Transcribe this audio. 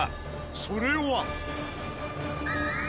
それは。